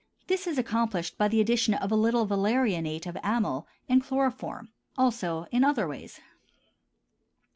This is accomplished by the addition of a little valerianate of amyl, and chloroform. Also in other ways.